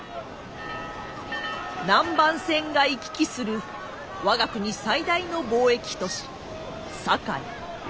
南蛮船が行き来する我が国最大の貿易都市堺。